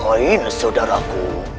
kamu jangan main main saudaraku